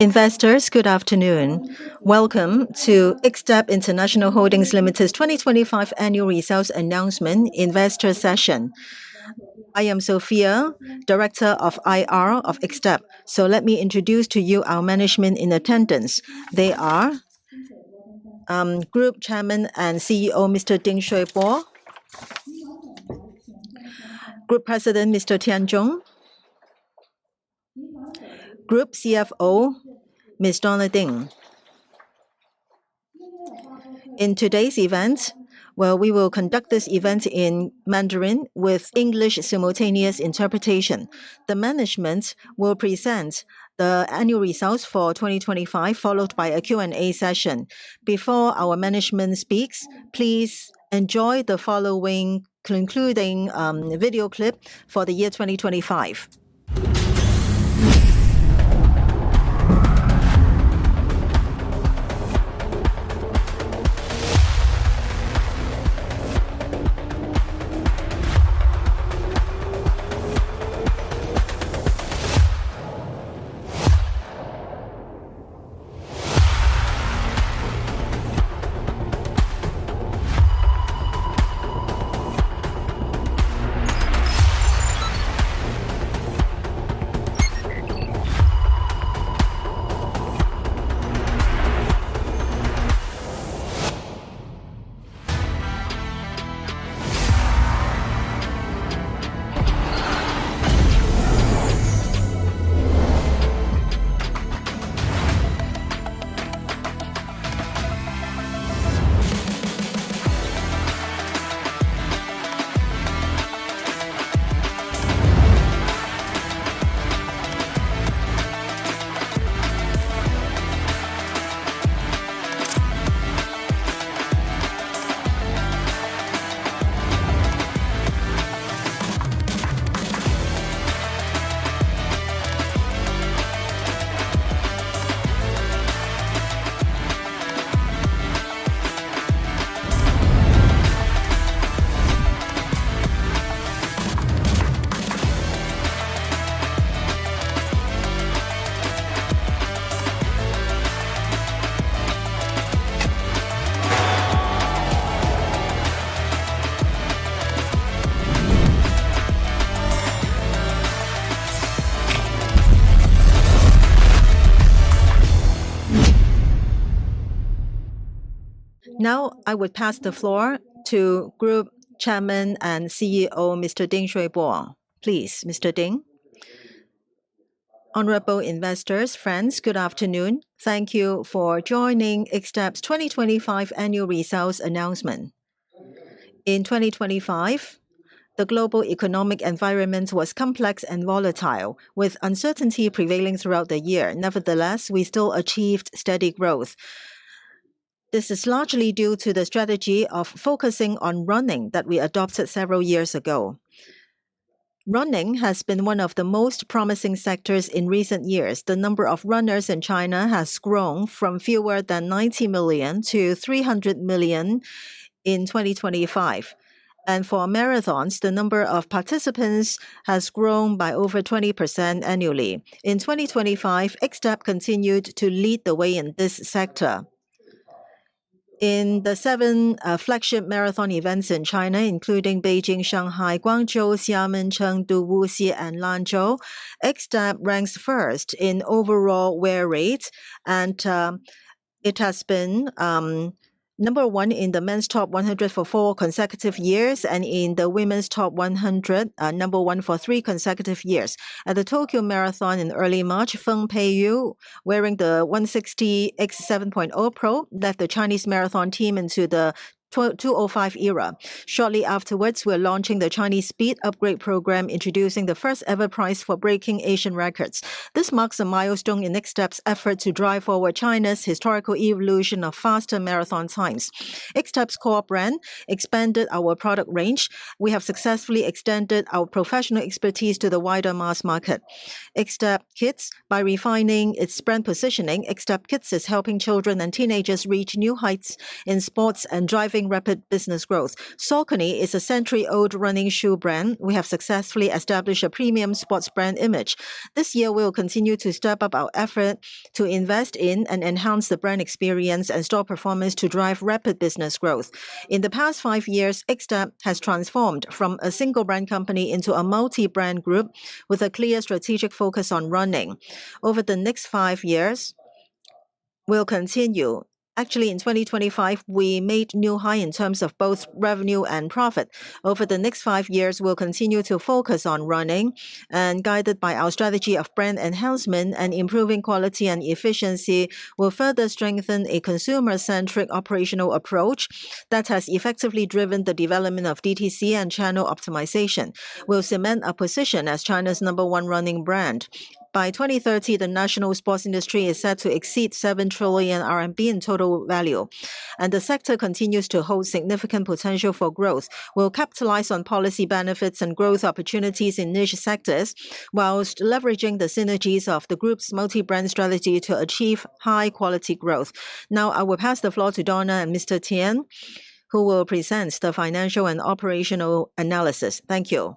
Investors, good afternoon. Welcome to Xtep International Holdings Limited's 2025 annual results announcement investor session. I am Sophia, Director of IR of Xtep. Let me introduce to you our management in attendance. They are Group Chairman and CEO, Mr. Ding Shui Po. Group President, Mr. Tian Zhong. Group CFO, Ms. Dona Ding. In today's event, we will conduct this event in Mandarin with English simultaneous interpretation. The management will present the annual results for 2025, followed by a Q&A session. Before our management speaks, please enjoy the following concluding video clip for the year 2025. Now, I will pass the floor to Group Chairman and CEO, Mr. Ding Shui Po. Please, Mr. Ding. Honorable investors, friends, good afternoon. Thank you for joining Xtep's 2025 annual results announcement. In 2025, the global economic environment was complex and volatile, with uncertainty prevailing throughout the year. Nevertheless, we still achieved steady growth. This is largely due to the strategy of focusing on running that we adopted several years ago. Running has been one of the most promising sectors in recent years. The number of runners in China has grown from fewer than 90 million to 300 million in 2025. For marathons, the number of participants has grown by over 20% annually. In 2025, Xtep continued to lead the way in this sector. In the 7 flagship marathon events in China, including Beijing, Shanghai, Guangzhou, Xiamen, Chengdu, Wuxi, and Lanzhou, Xtep ranks first in overall wear rates and it has been number one in the men's top 100 for 4 consecutive years and in the women's top 100 number one for 3 consecutive years. At the Tokyo Marathon in early March, Feng Peiyu, wearing the 160X 7.0 Pro, led the Chinese marathon team into the 2:05 era. Shortly afterwards, we're launching the Chinese Speed Upgrade Program, introducing the first-ever prize for breaking Asian records. This marks a milestone in Xtep's effort to drive forward China's historical evolution of faster marathon times. Xtep's core brand expanded our product range. We have successfully extended our professional expertise to the wider mass market. Xtep Kids, by refining its brand positioning, is helping children and teenagers reach new heights in sports and driving rapid business growth. Saucony is a century-old running shoe brand. We have successfully established a premium sports brand image. This year, we will continue to step up our effort to invest in and enhance the brand experience and store performance to drive rapid business growth. In the past five years, Xtep has transformed from a single brand company into a multi-brand group with a clear strategic focus on running. Actually, in 2025, we made a new high in terms of both revenue and profit. Over the next five years, we'll continue to focus on running, guided by our strategy of brand enhancement and improving quality and efficiency. We'll further strengthen a consumer-centric operational approach that has effectively driven the development of DTC and channel optimization. We'll cement our position as China's number one running brand. By 2030, the national sports industry is set to exceed 7 trillion RMB in total value, and the sector continues to hold significant potential for growth. We'll capitalize on policy benefits and growth opportunities in niche sectors while leveraging the synergies of the group's multi-brand strategy to achieve high-quality growth. Now I will pass the floor to Donna and Mr. Tian, who will present the financial and operational analysis. Thank you.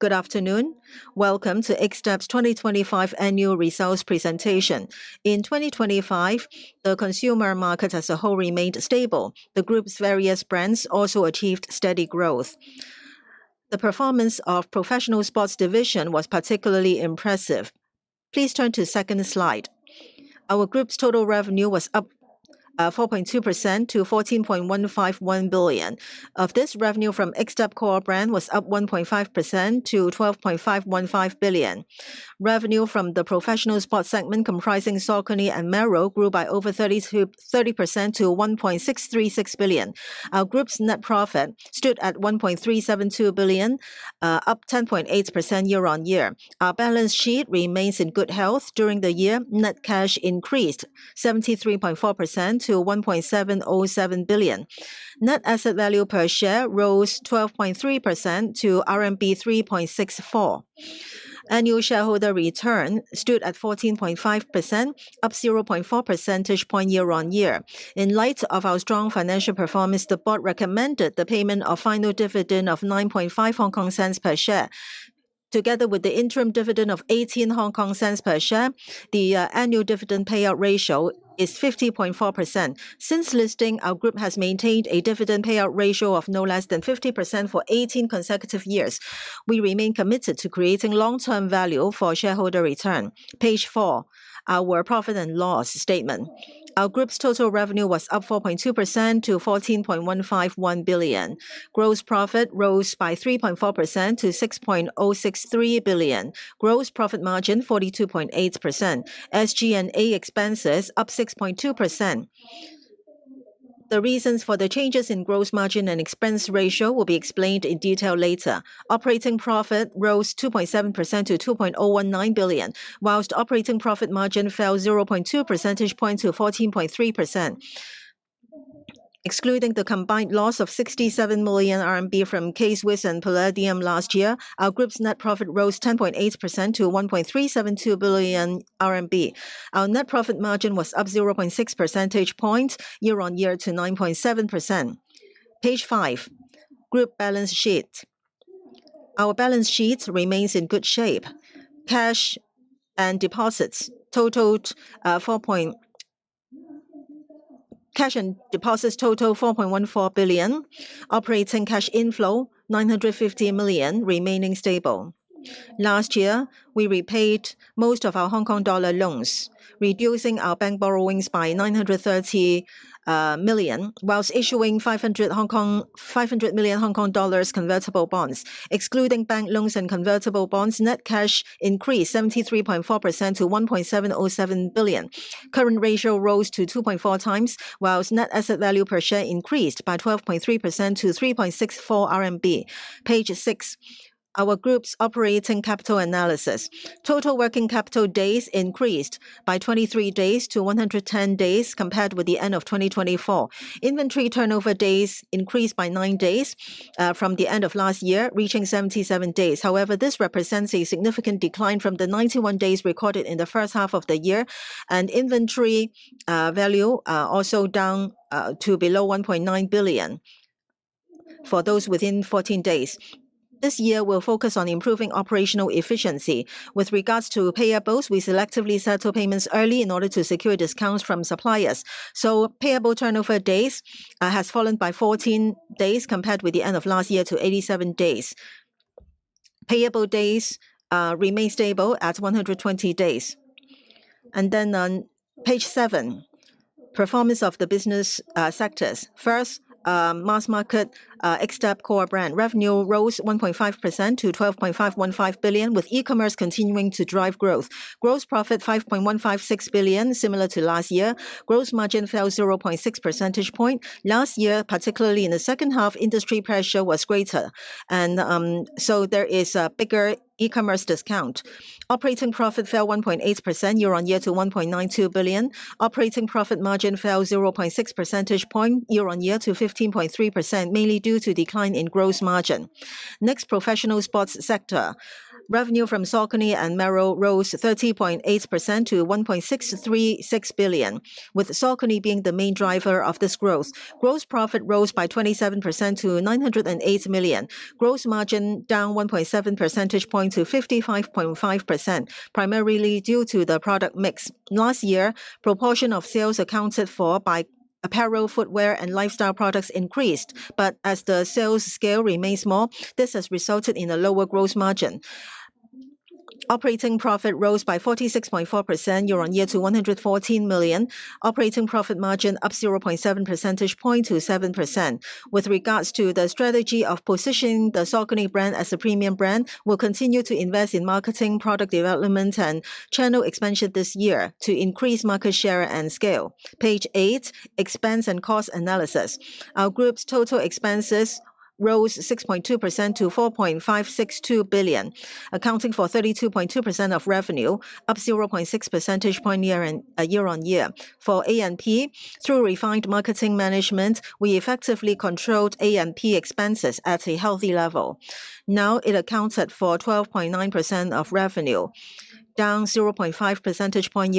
Good afternoon. Welcome to Xtep's 2025 annual results presentation. In 2025, the consumer market as a whole remained stable. The group's various brands also achieved steady growth. The performance of professional sports division was particularly impressive. Please turn to second slide. Our group's total revenue was up 4.2% to 14.151 billion. Of this, revenue from Xtep core brand was up 1.5% to 12.515 billion. Revenue from the professional sports segment comprising Saucony and Merrell grew by over 30%-30% to 1.636 billion. Our group's net profit stood at 1.372 billion, up 10.8% year-on-year. Our balance sheet remains in good health. During the year, net cash increased 73.4% to 1.707 billion. Net asset value per share rose 12.3% to RMB 3.64. Annual shareholder return stood at 14.5%, up 0.4 percentage point year-on-year. In light of our strong financial performance, the board recommended the payment of final dividend of 0.095 per share. Together with the interim dividend of 0.18 per share, the annual dividend payout ratio is 50.4%. Since listing, our group has maintained a dividend payout ratio of no less than 50% for 18 consecutive years. We remain committed to creating long-term value for shareholder return. Page four, our profit and loss statement. Our group's total revenue was up 4.2% to 14.151 billion. Gross profit rose by 3.4% to 6.063 billion. Gross profit margin 42.8%. SG&A expenses up 6.2%. The reasons for the changes in gross margin and expense ratio will be explained in detail later. Operating profit rose 2.7% to 2.019 billion, whilst operating profit margin fell 0.2 percentage point to 14.3%. Excluding the combined loss of 67 million RMB from K-Swiss and Palladium last year, our group's net profit rose 10.8% to 1.372 billion RMB. Our net profit margin was up 0.6 percentage points year-on-year to 9.7%. Page 5, group balance sheet. Our balance sheet remains in good shape. Cash and deposits total 4.14 billion. Operating cash inflow 950 million remaining stable. Last year, we repaid most of our Hong Kong dollar loans, reducing our bank borrowings by 930 million, while issuing 500 million Hong Kong dollars convertible bonds. Excluding bank loans and convertible bonds, net cash increased 73.4% to 1.707 billion. Current ratio rose to 2.4 times, while net asset value per share increased by 12.3% to 3.64 RMB. Page 6, our group's operating capital analysis. Total working capital days increased by 23 days to 110 days compared with the end of 2024. Inventory turnover days increased by 9 days from the end of last year, reaching 77 days. However, this represents a significant decline from the 91 days recorded in the first half of the year. Inventory value also down to below 1.9 billion for those within 14 days. This year we'll focus on improving operational efficiency. With regards to payables, we selectively settle payments early in order to secure discounts from suppliers. Payable turnover days has fallen by 14 days compared with the end of last year to 87 days. Payable days remain stable at 120 days. On page 7, performance of the business sectors. First, mass market, Xtep core brand revenue rose 1.5% to 12.515 billion with e-commerce continuing to drive growth. Gross profit 5.156 billion, similar to last year. Gross margin fell 0.6 percentage point. Last year, particularly in the second half, industry pressure was greater and, so there is a bigger e-commerce discount. Operating profit fell 1.8% year-on-year to 1.92 billion. Operating profit margin fell 0.6 percentage point year-on-year to 15.3%, mainly due to decline in gross margin. Next, professional sports sector. Revenue from Saucony and Merrell rose 13.8% to 1.636 billion, with Saucony being the main driver of this growth. Gross profit rose by 27% to 908 million. Gross margin down 1.7 percentage point to 55.5%, primarily due to the product mix. Last year, proportion of sales accounted for by apparel, footwear, and lifestyle products increased, but as the sales scale remains small, this has resulted in a lower gross margin. Operating profit rose by 46.4% year-on-year to 114 million. Operating profit margin up 0.7 percentage point to 7%. With regards to the strategy of positioning the Saucony brand as a premium brand, we'll continue to invest in marketing, product development, and channel expansion this year to increase market share and scale. Page 8, expense and cost analysis. Our group's total expenses rose 6.2% to 4.562 billion, accounting for 32.2% of revenue, up 0.6 percentage point year-on-year. For A&P, through refined marketing management, we effectively controlled A&P expenses at a healthy level. Now it accounted for 12.9% of revenue, down 0.5 percentage point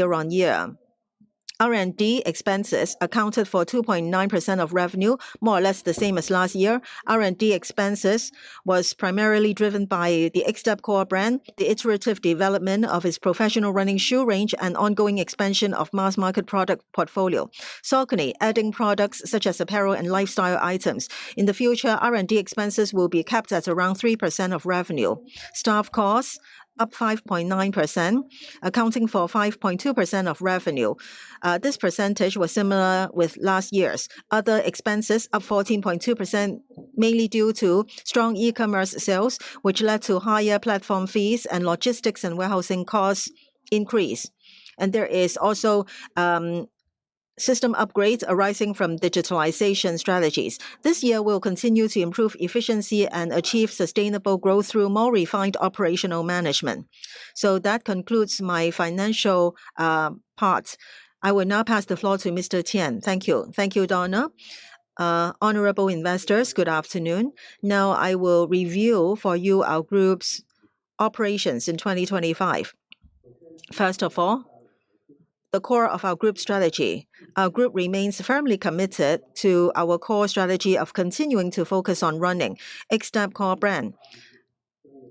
year-on-year. R&D expenses accounted for 2.9% of revenue, more or less the same as last year. R&D expenses was primarily driven by the Xtep core brand, the iterative development of its professional running shoe range, and ongoing expansion of mass-market product portfolio, Saucony adding products such as apparel and lifestyle items. In the future, R&D expenses will be capped at around 3% of revenue. Staff costs up 5.9%, accounting for 5.2% of revenue. This percentage was similar with last year's. Other expenses up 14.2%, mainly due to strong e-commerce sales, which led to higher platform fees and logistics and warehousing costs increase. There is also system upgrades arising from digitalization strategies. This year we'll continue to improve efficiency and achieve sustainable growth through more refined operational management. That concludes my financial part. I will now pass the floor to Mr. Tian. Thank you. Thank you, Dona. Honorable investors, good afternoon. Now I will review for you our group's operations in 2025. First of all, the core of our group strategy. Our group remains firmly committed to our core strategy of continuing to focus on running. Xtep core brand.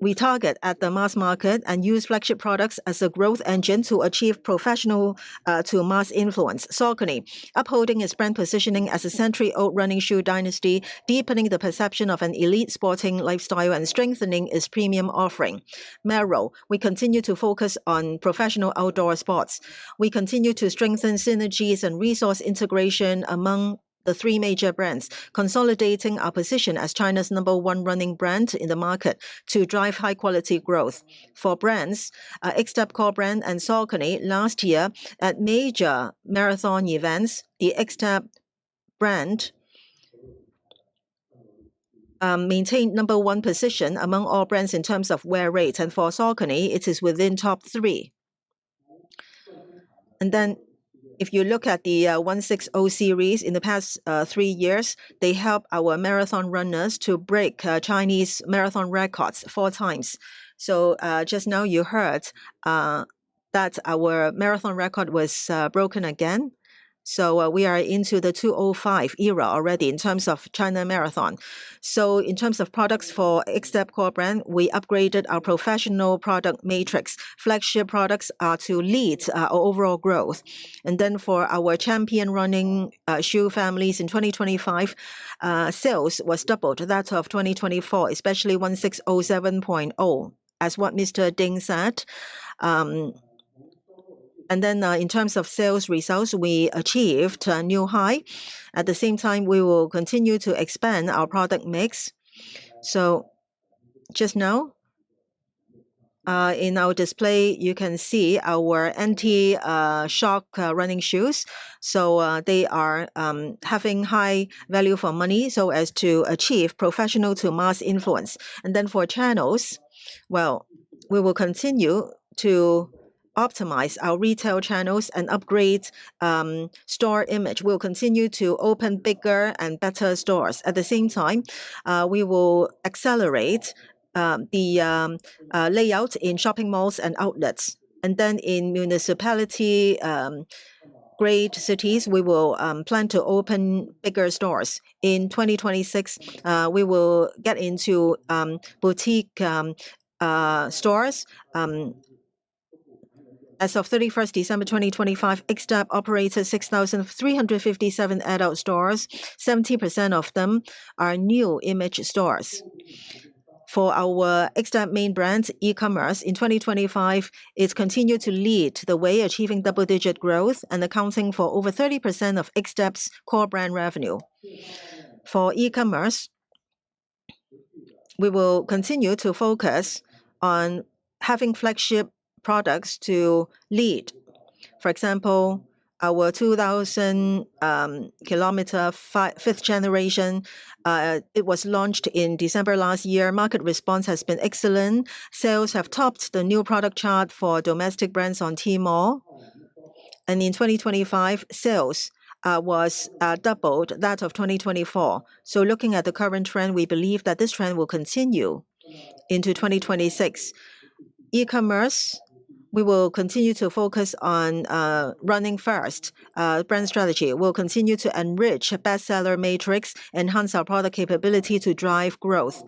We target at the mass market and use flagship products as a growth engine to achieve professional to mass influence. Saucony, upholding its brand positioning as a century-old running shoe dynasty, deepening the perception of an elite sporting lifestyle and strengthening its premium offering. Merrell, we continue to focus on professional outdoor sports. We continue to strengthen synergies and resource integration among the three major brands, consolidating our position as China's number one running brand in the market to drive high-quality growth. For brands, Xtep core brand and Saucony, last year at major marathon events, the Xtep brand maintained number one position among all brands in terms of wear rate. For Saucony, it is within top three. If you look at the 160X series in the past three years, they helped our marathon runners to break Chinese marathon records four times. Just now you heard that our marathon record was broken again. We are into the 2:05 era already in terms of Chinese marathon. In terms of products for Xtep core brand, we upgraded our professional product matrix. Flagship products are to lead our overall growth. For our champion running shoe families in 2025, sales was doubled that of 2024, especially 160X 7.0, as what Mr. Ding said. In terms of sales results, we achieved a new high. At the same time, we will continue to expand our product mix. Just now, in our display, you can see our anti-shock running shoes. They are having high value for money so as to achieve professional to mass influence. For channels, well, we will continue to optimize our retail channels and upgrade store image. We'll continue to open bigger and better stores. At the same time, we will accelerate the layout in shopping malls and outlets. In municipality grade cities, we will plan to open bigger stores. In 2026, we will get into boutique stores. As of 31st December 2025, Xtep operated 6,357 adult stores. 70% of them are new image stores. For our Xtep main brand e-commerce in 2025, it's continued to lead the way, achieving double-digit growth and accounting for over 30% of Xtep's core brand revenue. For e-commerce, we will continue to focus on having flagship products to lead. For example, our Xtep 2000KM 5th Generation, it was launched in December last year. Market response has been excellent. Sales have topped the new product chart for domestic brands on Tmall. In 2025, sales was doubled that of 2024. Looking at the current trend, we believe that this trend will continue into 2026. E-commerce, we will continue to focus on running first brand strategy. We'll continue to enrich bestseller matrix, enhance our product capability to drive growth.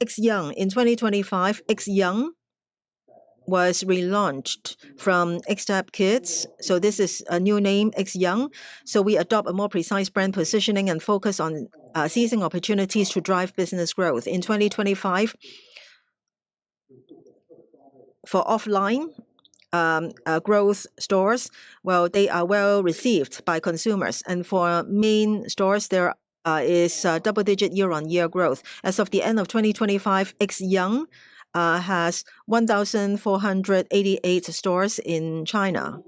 X Young. In 2025, X Young was relaunched from Xtep Kids. This is a new name, X Young. We adopt a more precise brand positioning and focus on seizing opportunities to drive business growth. In 2025, for offline growth stores, they are well received by consumers. For main stores there is double-digit year-on-year growth. As of the end of 2025, X Young has 1,488 stores in China.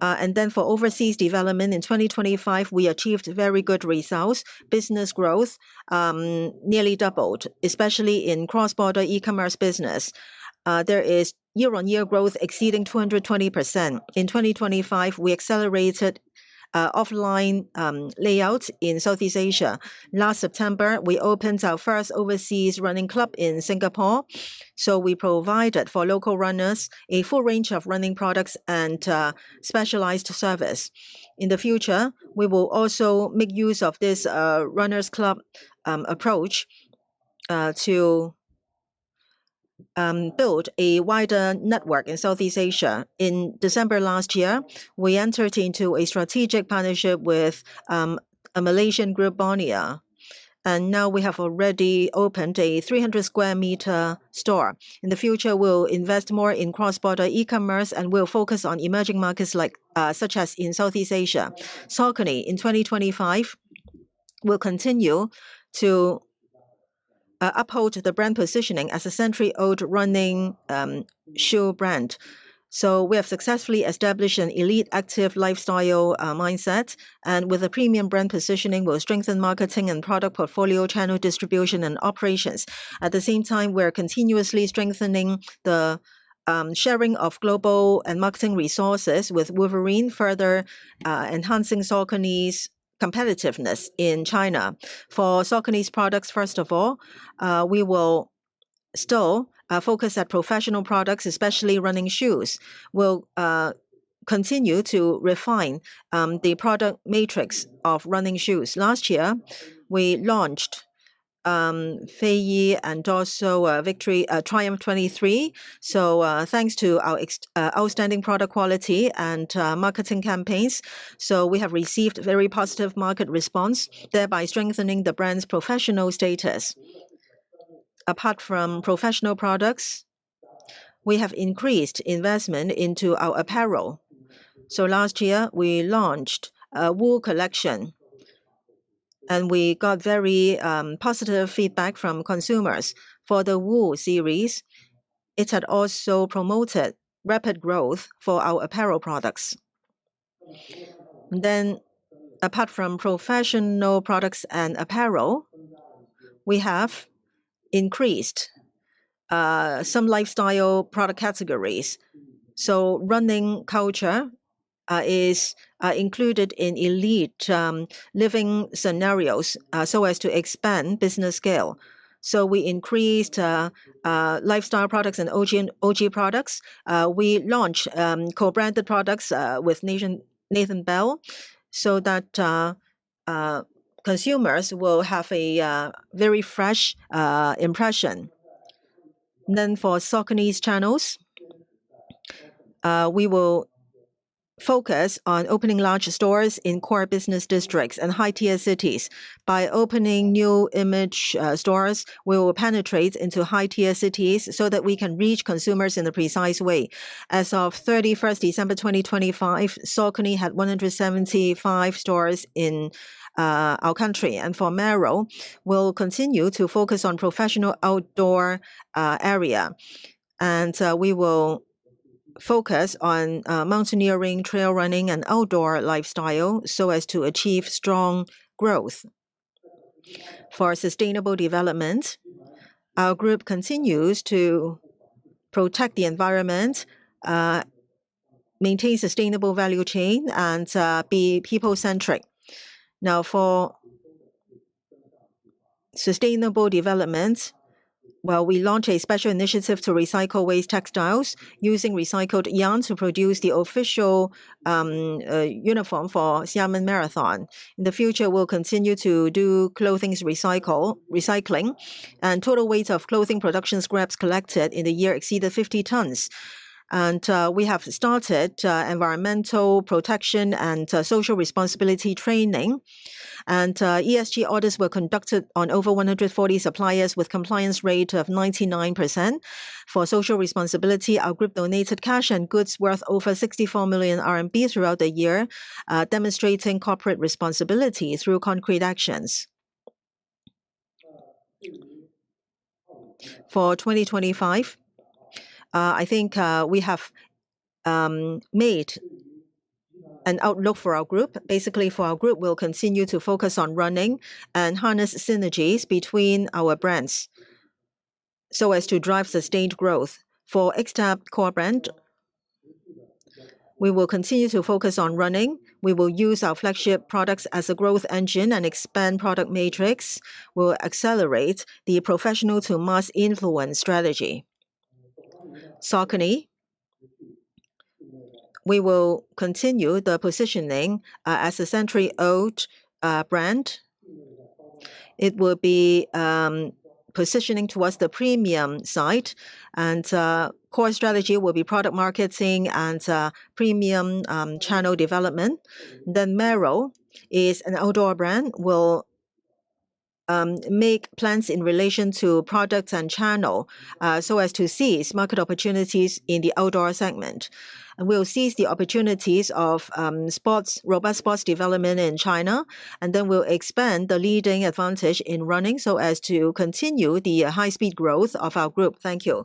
For overseas development in 2025, we achieved very good results. Business growth nearly doubled, especially in cross-border e-commerce business. There is year-on-year growth exceeding 220%. In 2025, we accelerated offline layouts in Southeast Asia. Last September, we opened our first overseas running club in Singapore, so we provided for local runners a full range of running products and specialized service. In the future, we will also make use of this runners club approach to build a wider network in Southeast Asia. In December last year, we entered into a strategic partnership with a Malaysian group, Bonia, and now we have already opened a 300 sq m store. In the future, we'll invest more in cross-border e-commerce, and we'll focus on emerging markets like such as in Southeast Asia. Saucony in 2025 will continue to uphold the brand positioning as a century-old running shoe brand. We have successfully established an elite active lifestyle mindset and with a premium brand positioning, we'll strengthen marketing and product portfolio, channel distribution and operations. At the same time, we are continuously strengthening the sharing of global R&D and marketing resources with Wolverine, further enhancing Saucony's competitiveness in China. For Saucony's products, first of all, we will still focus on professional products, especially running shoes. We'll continue to refine the product matrix of running shoes. Last year, we launched Fayee and also Victory, Triumph 23. Thanks to our outstanding product quality and marketing campaigns, we have received very positive market response, thereby strengthening the brand's professional status. Apart from professional products, we have increased investment into our apparel. Last year, we launched a Wulú collection, and we got very positive feedback from consumers. For the woo series, it had also promoted rapid growth for our apparel products. Apart from professional products and apparel, we have increased some lifestyle product categories, so running culture is included in elite living scenarios so as to expand business scale. We increased lifestyle products and OG products. We launched co-branded products with Nathan Bell so that consumers will have a very fresh impression. For Saucony's channels, we will focus on opening larger stores in core business districts and high-tier cities. By opening new image stores, we will penetrate into high-tier cities so that we can reach consumers in a precise way. As of 31 December 2025, Saucony had 175 stores in our country. For Merrell, we'll continue to focus on professional outdoor area. We will focus on mountaineering, trail running and outdoor lifestyle so as to achieve strong growth. For sustainable development, our group continues to protect the environment, maintain sustainable value chain and be people-centric. Now for sustainable development, we launched a special initiative to recycle waste textiles using recycled yarn to produce the official uniform for Xiamen Marathon. In the future, we'll continue to do recycling and total weight of clothing production scraps collected in a year exceeded 50 t. We have started environmental protection and social responsibility training. ESG audits were conducted on over 140 suppliers with compliance rate of 99%. For social responsibility, our group donated cash and goods worth over 64 million RMB throughout the year, demonstrating corporate responsibility through concrete actions. For 2025, I think, we have made an outlook for our group. Basically, for our group, we'll continue to focus on running and harness synergies between our brands so as to drive sustained growth. For Xtep core brand, we will continue to focus on running. We will use our flagship products as a growth engine and expand product matrix. We'll accelerate the professional to mass influence strategy. Saucony, we will continue the positioning as a century-old brand. It will be positioning towards the premium side and core strategy will be product marketing and premium channel development. Merrell is an outdoor brand. We'll make plans in relation to products and channel so as to seize market opportunities in the outdoor segment. We'll seize the opportunities of robust sports development in China. We'll expand the leading advantage in running so as to continue the high speed growth of our group. Thank you.